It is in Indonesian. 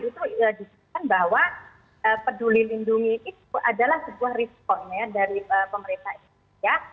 itu disebutkan bahwa peduli lindungi itu adalah sebuah risk point dari pemerintah itu ya